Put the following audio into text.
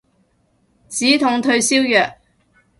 止痛退燒藥